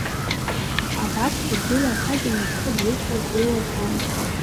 Абарҭқәа дрылаԥагьаны зхы бжьызхуаз дреиуаӡамызт.